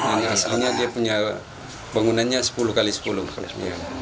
yang asalnya dia punya bangunannya sepuluh x sepuluh misalnya